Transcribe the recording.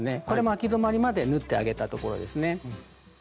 これもあき止まりまで縫ってあげたところですね。